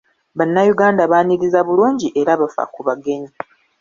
Bannayuganda baaniriza bulungi era bafa ku bagenyi.